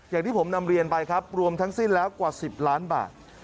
อย่างที่ผมนำเรียนไปครับรวมทั้งสิ้นแล้วกว่า๑๐ล้านบาท